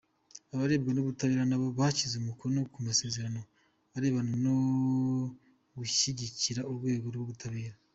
Abarebwa n’ubutabera nabo bashyize umukono ku masezerano arebana no gushyigikira urwego rw’ubutabera.